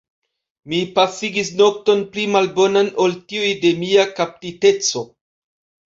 Mi pasigis nokton pli malbonan ol tiuj de mia kaptiteco.